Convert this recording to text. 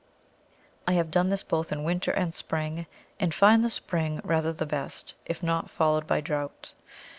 I have done this both in winter and spring, and find the spring rather the best, if not followed by drought.